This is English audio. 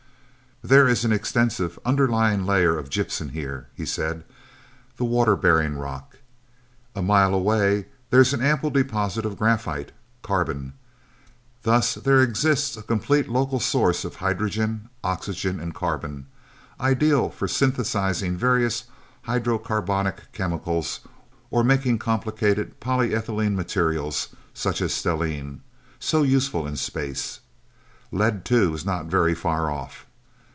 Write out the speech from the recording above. "There is an extensive underlying layer of gypsum, here," he said. "The water bearing rock. A mile away there's an ample deposit of graphite carbon. Thus, there exists a complete local source of hydrogen, oxygen and carbon, ideal for synthesizing various hydrocarbonic chemicals or making complicated polyethylene materials such as stellene, so useful in space. Lead, too, is not very far off.